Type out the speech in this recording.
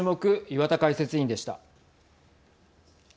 岩田解説委員でした。